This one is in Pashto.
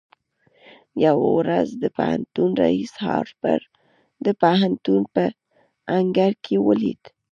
يوه ورځ يې د پوهنتون رئيس هارپر د پوهنتون په انګړ کې وليد.